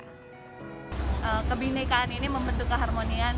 kebinekaan ini membentuk keharmonian